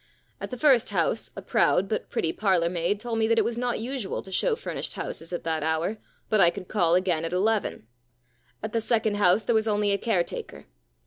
* At the first house a proud but pretty parlour maid told me that it was not usual to show furnished houses at that hour, but I could call again at eleven. At the second house there was only a caretaker.